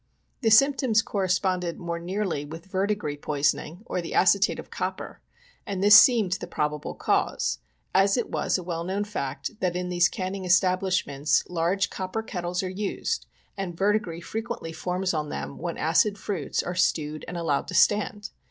The symptoms corresponded more nearly with verdigris poisoniog, or the acetate of copper, and this seemed the probable cause, as it was a well known fact that in these canning establisments large copper kettles are used, and verdigris frequently forms on these when acid fruits are stewed and allowed to stand.